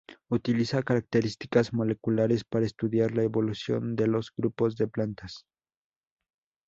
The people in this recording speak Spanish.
Utiliza características moleculares para estudiar la evolución de los grupos de plantas.